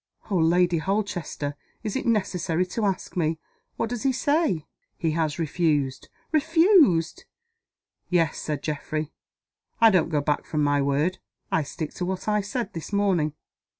"Oh, Lady Holchester! is it necessary to ask me? What does he say?" "He has refused." "Refused!" "Yes," said Geoffrey. "I don't go back from my word; I stick to what I said this morning.